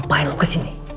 ngapain lo kesini